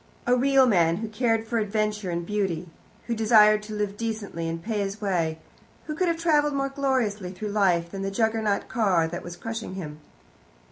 A real man, who cared for adventure and beauty, who desired to live decently and pay his way, who could have travelled more gloriously through life than the Juggernaut car that was crushing him.